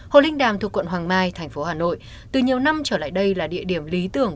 hồ linh đàm thuộc quận hoàng mai thành phố hà nội từ nhiều năm trở lại đây là địa điểm lý tưởng